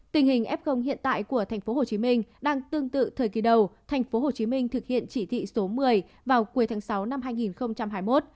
tình hình f hiện tại của tp hcm đang tương tự thời kỳ đầu tp hcm thực hiện chỉ thị số một mươi vào cuối tháng sáu năm hai nghìn hai mươi một